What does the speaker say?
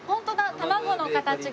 卵の形が。